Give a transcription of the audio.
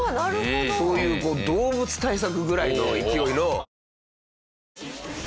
そういう動物対策ぐらいの勢いの。